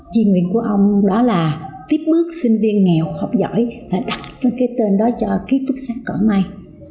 duy nguyện của ông đó là tiếp bước sinh viên nghèo học giỏi và đặt cái tên đó cho kế túc xá cỏ mây